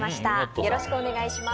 よろしくお願いします。